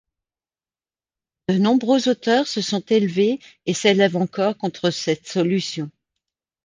De nombreux auteurs se sont élevés et s’élèvent encore contre cette solution.